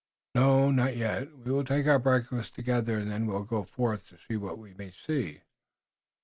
"Not yet. We will take our breakfast together, and then we will go forth to see what we may see."